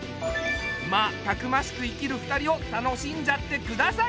まあたくましく生きる２人を楽しんじゃってください。